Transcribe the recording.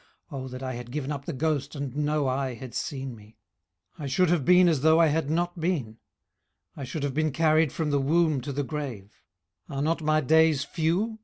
Oh that I had given up the ghost, and no eye had seen me! 18:010:019 I should have been as though I had not been; I should have been carried from the womb to the grave. 18:010:020 Are not my days few?